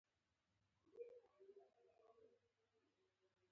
دا نجس نور مه راولئ، دا به موږ له کوره ورک کړي.